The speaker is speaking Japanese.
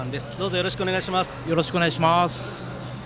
よろしくお願いします。